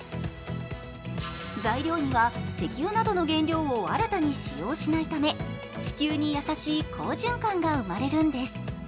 材料には、石油などの原料を新たに使用しないため地球に優しい好循環が生まれるんです。